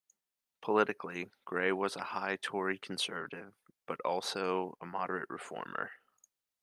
Politically, Gray was a high Tory Conservative but also a moderate reformer.